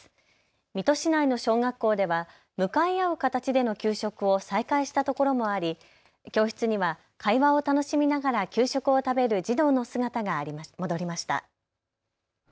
水戸市内の小学校では向かい合う形での給食を再開したところもあり教室には会話を楽しみながら給食を食べる児童の姿が戻りました。